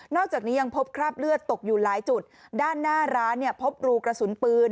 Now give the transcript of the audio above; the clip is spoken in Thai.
อกจากนี้ยังพบคราบเลือดตกอยู่หลายจุดด้านหน้าร้านเนี่ยพบรูกระสุนปืน